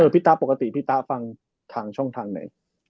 ตาปกติพี่ตาฟังทางช่องทางไหน